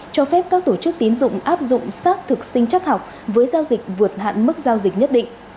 cho phép các tổ chức tín dụng áp dụng xác thực sinh chắc học với giao dịch vượt hạn mức giao dịch nhất định